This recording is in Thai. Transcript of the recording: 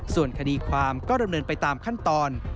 ส่วนคดีความก็ดำเนินไปตามขั้นตอน